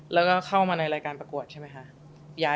แล้วก็เข้ามาในรายการประกวดใช่ไหมคะ